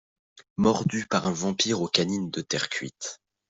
Mordue par un vampire aux canines de terre cuite.